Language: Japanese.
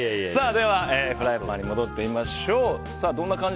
では、フライパンに戻ってみましょう。